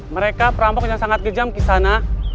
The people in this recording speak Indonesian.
mereka perampok yang sangat gejam kisanak